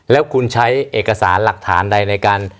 แล้วคุณใช้เอกสารหลักฐานใดในการ